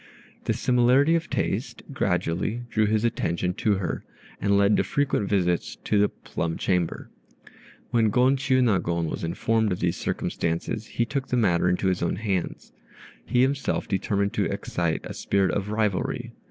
This similarity of taste gradually drew his attention to her, and led to frequent visits to the "plum chamber." When Gon Chiûnagon was informed of these circumstances, he took the matter into his own hands. He himself determined to excite a spirit of rivalry.